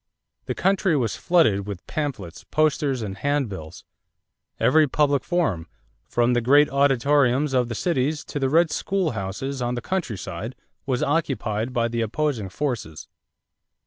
The country was flooded with pamphlets, posters, and handbills. Every public forum, from the great auditoriums of the cities to the "red schoolhouses" on the countryside, was occupied by the opposing forces.